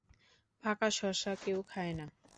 পাকা শশা কেউ খায় না।